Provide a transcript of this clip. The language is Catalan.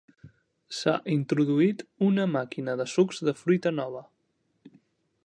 S'ha introduït una màquina de sucs de fruita nova.